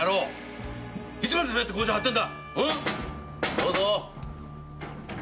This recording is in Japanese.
・どうぞ。